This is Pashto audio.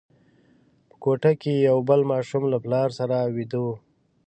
په کوټه کې یو بل ماشوم له پلار سره ویده وو.